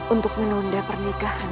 untuk menunda pernikahan